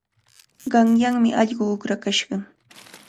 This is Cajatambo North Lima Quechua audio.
Qanyanmi allqu uqrakashqa.